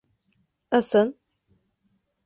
— Ысын.